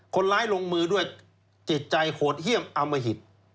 คนร้ายลงมือด้วยจิตใจโหดเยี่ยมอมหิต